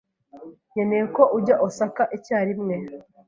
nkeneye ko ujya Osaka icyarimwe.